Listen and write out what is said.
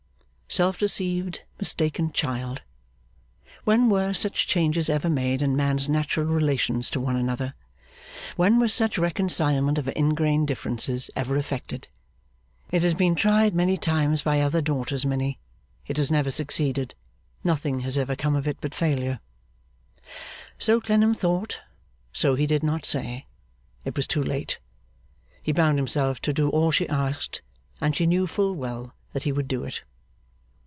Self deceived, mistaken child! When were such changes ever made in men's natural relations to one another: when was such reconcilement of ingrain differences ever effected! It has been tried many times by other daughters, Minnie; it has never succeeded; nothing has ever come of it but failure. So Clennam thought. So he did not say; it was too late. He bound himself to do all she asked, and she knew full well that he would do it.